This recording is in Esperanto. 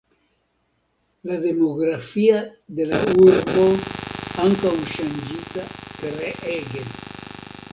La demografia de la urbo ankaŭ ŝanĝita treege.